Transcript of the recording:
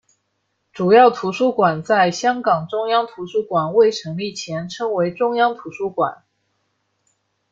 主要图书馆在香港中央图书馆未成立前称为中央图书馆。